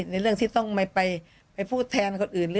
ในเรื่องที่ต้องไม่ไปพูดแทนคนอื่น